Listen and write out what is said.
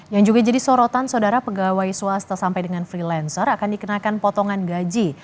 yang juga jadi sorotan saudara pegawai swasta sampai dengan freelancer akan dikenakan potongan gaji